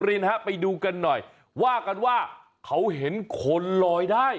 รินฮะไปดูกันหน่อยว่ากันว่าเขาเห็นคนลอยได้